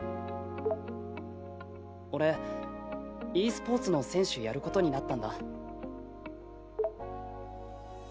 俺ｅスポーツの選手やる事になったんだ。